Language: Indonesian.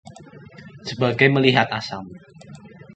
Sebagai melihat asam